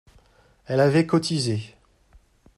Elle avait cotisé